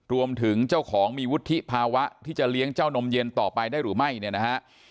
รวมถึงเจ้าของมีวุฒิภาวะที่จะเลี้ยงเจ้านมเย็นต่อไปได้หรือไม่เนี่ยนะฮะ